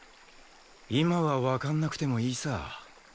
今はわかんなくてもいいさ。